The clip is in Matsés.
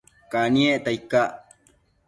Caniecta icac?